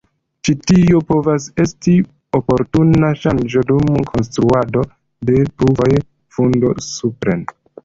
Ĉi tio povas esti oportuna ŝanĝo dum konstruado de pruvoj fundo-supren.